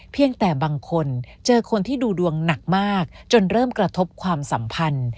เพียงแต่บางคนเจอคนที่ดูดวงหนักมากจนเริ่มกระทบความสัมพันธ์